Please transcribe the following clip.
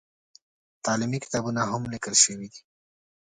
تعلیمي کتابونه هم لیکل شوي دي.